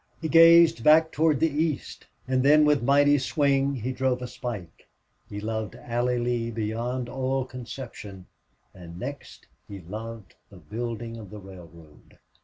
He gazed back toward the east, and then with mighty swing he drove a spike. He loved Allie Lee beyond all conception, and next he loved the building of the railroad.